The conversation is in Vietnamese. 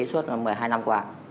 suốt một mươi hai năm qua